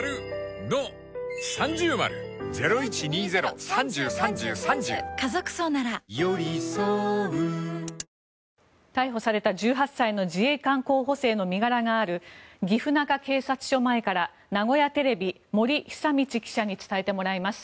陸上自衛隊は全国の射撃・爆破訓練を逮捕された１８歳の自衛官候補生の身柄がある岐阜中警察署前から名古屋テレビ、森恒道記者に伝えてもらいます。